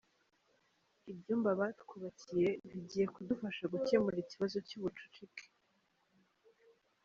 Ibyumba batwubakiye bigiye kudufasha gukemura ikibazo cy’ubucucuke.